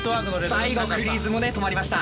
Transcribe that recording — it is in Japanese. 最後フリーズもね止まりました。